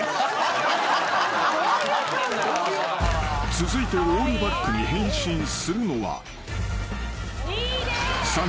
［続いてオールバックに変身するのは］